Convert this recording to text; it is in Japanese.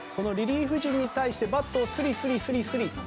そのリリーフ陣に対してバットをスリスリ。